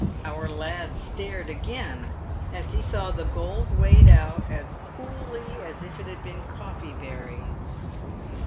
Our lad stared again, as he saw the gold weighed out as coolly as if it had been coffee berries.